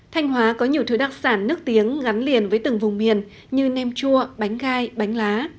thanh hóa có nhiều thứ đặc sản nước tiếng gắn liền với từng vùng miền như nem chua bánh gai bánh lá